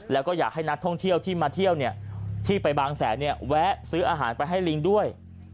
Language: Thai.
แล้วก็อยากให้นักท่องเที่ยวที่มาเที่ยวที่ไปบางแสนแวะซื้ออาหารไปให้ลิงด้วย